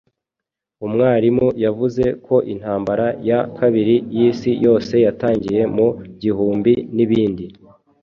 Umwarimu yavuze ko Intambara ya Kabiri y'Isi Yose yatangiye mu gihumbi nibindi.